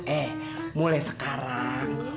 eh mulai sekarang